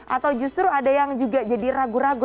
atau justru ada yang juga jadi ragu ragu